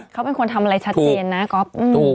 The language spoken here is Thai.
เขาเป็นคนทำอะไรชัดเจนนะก๊อฟ